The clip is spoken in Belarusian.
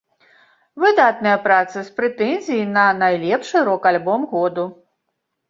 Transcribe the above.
Выдатная праца з прэтэнзіяй на найлепшы рок-альбом году.